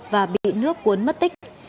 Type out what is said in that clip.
và bị nước cuốn mất tích